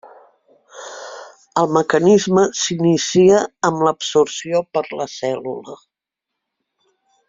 El mecanisme s'inicia amb l'absorció per la cèl·lula.